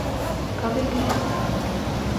قابل بھی تھے۔